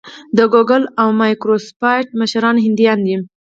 د ګوګل او مایکروسافټ مشران هندیان دي.